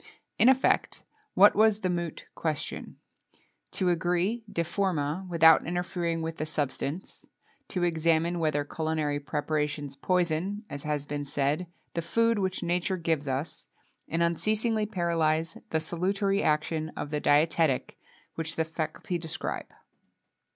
In effect, what was the moot question? To agree, de forma, without interfering with the substance; to examine whether culinary preparations poison, as has been said, the food which nature gives us, and unceasingly paralyze the salutary action of the dietetic, which the faculty prescribe.